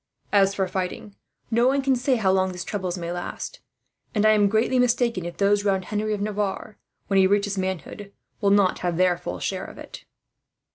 "As for fighting, no one can say how long these troubles may last; and I am greatly mistaken if those round Henry of Navarre, when he reaches manhood, will not have their full share of it."